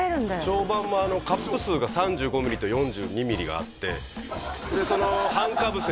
蝶番もカップ数が３５ミリと４２ミリがあってその半かぶせ